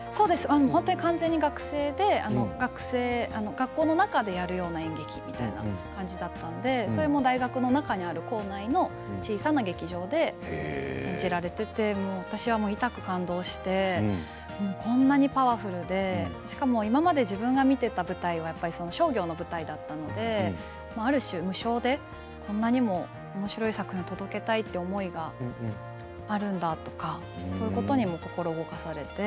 完全に学生で学校の中でやるような演劇みたいな感じだったんでそれも大学の中にある構内の小さな劇場で演じられていて私はいたく感動してこんなにパワフルでしかも今まで自分が見ていた舞台は商業の舞台だったのである種、無償でこんなにもおもしろい作品を届けたいという思いがあるんだとかそういうことにも心動かされて。